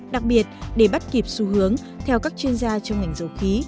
đặc biệt để bắt kịp xu hướng theo các chuyên gia trong ngành dầu khí